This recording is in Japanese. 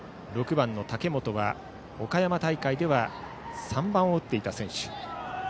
６番の竹本は岡山大会では３番を打っていた選手。